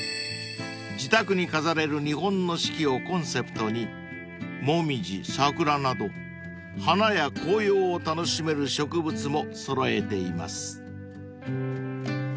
［「自宅に飾れる日本の四季」をコンセプトにモミジ桜など花や紅葉を楽しめる植物も揃えています］